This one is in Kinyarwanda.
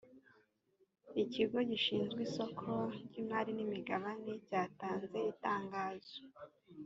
ikigo gishinzwe isoko ry ‘imari n’imigabane cyatanze itangazo.